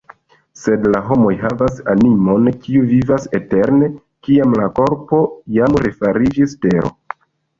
Sed la homoj havas animon, kiu vivas eterne, kiam la korpo jam refariĝis tero.